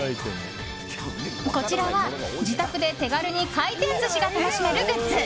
こちらは自宅で手軽に回転寿司が楽しめるグッズ。